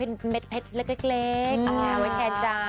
เป็นเม็ดเพชรเล็กอัพแนวให้แทนได้